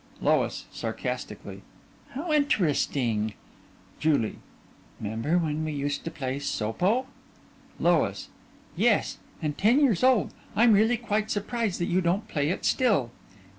LOIS: (Sarcastically) How interesting! JULIE: 'Member when we used to play "soapo"? LOIS: Yes and ten years old. I'm really quite surprised that you don't play it still.